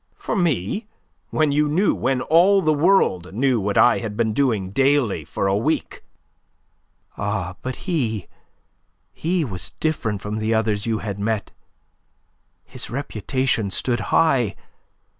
"For me? When you knew when all the world knew what I had been doing daily for a week!" "Ah, but he, he was different from the others you had met. His reputation stood high.